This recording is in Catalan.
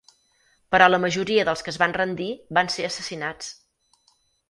Però la majoria dels que es van rendir van ser assassinats.